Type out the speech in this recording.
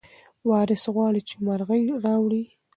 وارث غواړي چې مرغۍ راوړي.